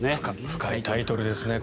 深いタイトルですね。